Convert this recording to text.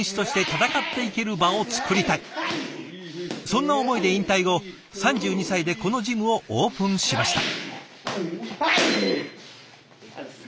そんな思いで引退後３２歳でこのジムをオープンしました。